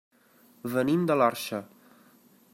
Venim de l'Orxa.